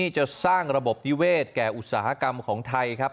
จะสร้างระบบนิเวศแก่อุตสาหกรรมของไทยครับ